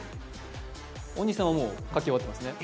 大西さんはもう書き終わってますね